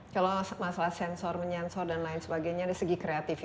kalau masalah sensor menyensor dan lain sebagainya dari segi kreativitas